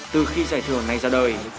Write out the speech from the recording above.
từ khi giải thưởng này ra đời